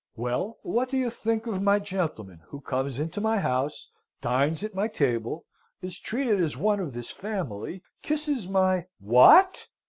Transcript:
"Well, what do you think of my gentleman, who comes into my house, dines at my table, is treated as one of this family, kisses my " "What?"